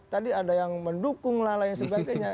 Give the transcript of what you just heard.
tadi ada yang mendukung lain sebagainya